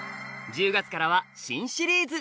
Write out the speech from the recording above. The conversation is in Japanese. １０月からは新シリーズ！